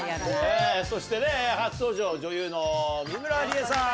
そして初登場女優の美村里江さん。